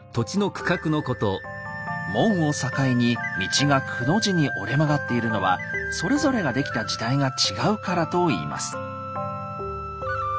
門を境に道がくの字に折れ曲がっているのはそれぞれが出来た時代が違うからといいます。